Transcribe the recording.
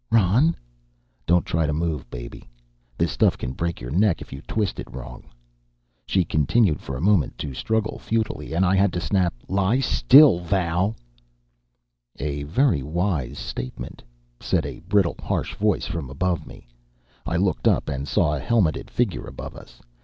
"Ron " "Don't try to move, baby. This stuff can break your neck if you twist it wrong." She continued for a moment to struggle futilely, and I had to snap, "Lie still, Val!" "A very wise statement," said a brittle, harsh voice from above me. I looked up and saw a helmeted figure above us.